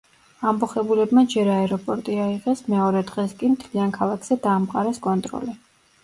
ამბოხებულებმა ჯერ აეროპორტი აიღეს, მეორე დღეს კი მთლიან ქალაქზე დაამყარეს კონტროლი.